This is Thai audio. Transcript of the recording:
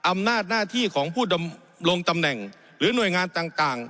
อำนาจหน้าที่ของผู้ดำรงตำแหน่งหรือหน่วยงานต่าง